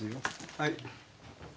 はい。